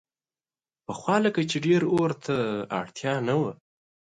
پخوا لکه چې ډېر اور ته اړتیا نه وه.